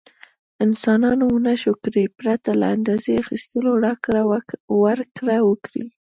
انسانانو ونشو کړای پرته له اندازې اخیستلو راکړه ورکړه وکړي.